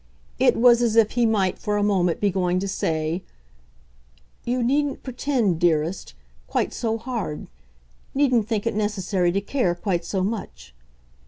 It was as if he might for a moment be going to say: "You needn't PRETEND, dearest, quite so hard, needn't think it necessary to care quite so much!"